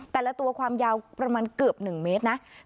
แต่ละตัวความยาวประมาณเกือบ๑เมตรนะ